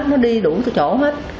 nó đi đủ chỗ hết